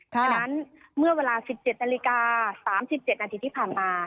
ฉะนั้นเมื่อเวลา๑๗นาฬิกา๓๗นาทีที่ผ่านมา